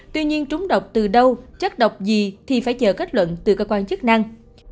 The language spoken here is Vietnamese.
tuy nhiên trúng độc từ đâu chất độc gì thì phải chờ kết luận từ cơ quan chức năng